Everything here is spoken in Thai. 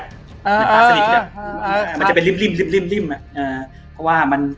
เหมือนป้าสลิดมันจะไปริ่มเพราะว่ามัน